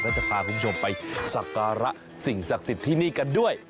จะพาคุณผู้ชมไปสักการะสิ่งศักดิ์สิทธิ์ที่นี่กันด้วย